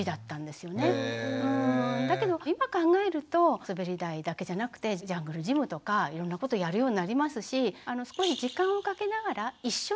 だけど今考えるとすべり台だけじゃなくてジャングルジムとかいろんなことやるようになりますし。